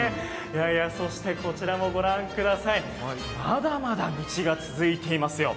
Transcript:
そしてこちらもご覧ください、まだまだ道が続いていますよ。